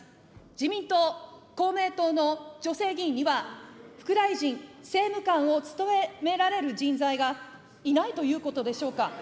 自民党、公明党の女性議員には、副大臣、政務官を務められる人材がいないということでしょうか。